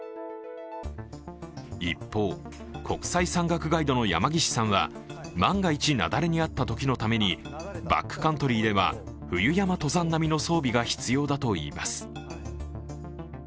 一方、国際山岳ガイドの山岸さんは万が一雪崩に遭ったときのためにバックカントリーでは冬山登山並みの装備が必要だといいます。